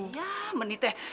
iya menit deh